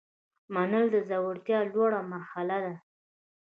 منل د زړورتیا لوړه مرحله ده.